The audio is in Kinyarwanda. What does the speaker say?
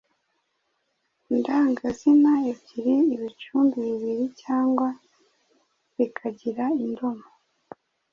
indangazina ebyiri, ibicumbi bibiri cyangwa rikagira indomo,